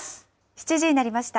７時になりました。